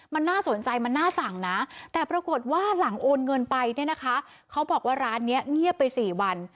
มันน่าสนใจมันน่าสั่งนะแต่ปรากฏว่าหลังโอนเงินไปเนี่ยนะคะเขาบอกว่าร้านนี้เงียบไปสี่วัน